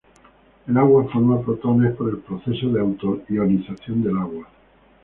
El agua forma protones por el proceso de auto-ionización del agua.